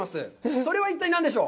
それは一体何でしょう？